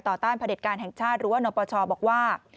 ต้านพระเด็จการแห่งชาติหรือว่านปชบอกว่า